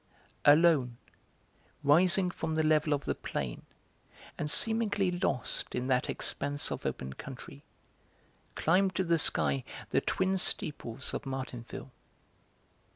Alone, rising from the level of the plain, and seemingly lost in that expanse of open country, climbed to the sky the twin steeples of Martinville.